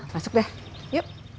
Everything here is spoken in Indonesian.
masuk deh yuk